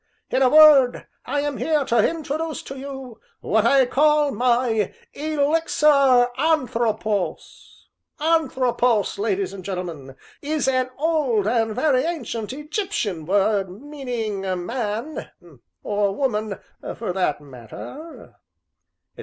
In a word, I am here to introduce to you what I call my Elixir Anthropos Anthropos, ladies and gentlemen, is an old and very ancient Egyptian word meaning man or woman, for that matter," etc.